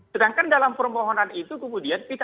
sedangkan dalam permohonan itu kemudian